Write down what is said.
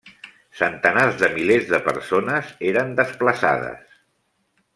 Centenars de milers de persones eren desplaçades.